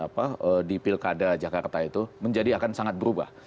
apa di pilkada jakarta itu menjadi akan sangat berubah